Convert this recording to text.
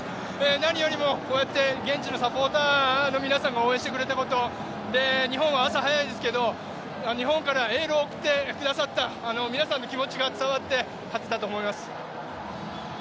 何よりもこうやって現地のサポーターの皆さんが応援してくれたこと日本は朝早いですけど、日本からエールを送ってくださった皆さんの気持ちが伝わって勝てたと思います。